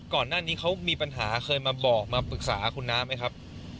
ก่อนหน้านี้เขามีปัญหาเคยมาบอกมาปรึกษาคุณน้าไหมครับ